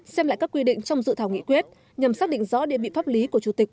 xem lại các quy định trong dự thảo nghị quyết nhằm xác định rõ địa vị pháp lý của chủ tịch